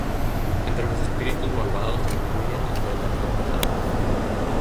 Entre los espíritus malvados incluyen el de la enfermedad.